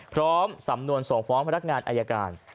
พร้อมสำนวนส่งฟ้องพนักงานอายการ